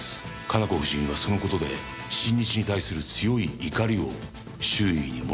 加奈子夫人はその事で新日に対する強い怒りを周囲に漏らしてたようです。